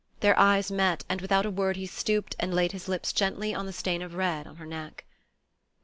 Their eyes met; and without a word he stooped and laid his lips gently on the stain of red on her neck.